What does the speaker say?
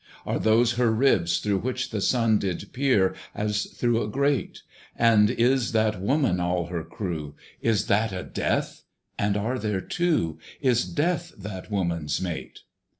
Are those her ribs through which the Sun Did peer, as through a grate? And is that Woman all her crew? Is that a DEATH? and are there two? Is DEATH that woman's mate?